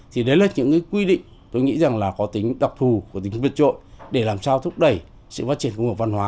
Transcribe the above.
thì đấy là những cái quy định tôi nghĩ rằng là có tính đặc thù của tính biệt trội để làm sao thúc đẩy sự phát triển công nghiệp văn hóa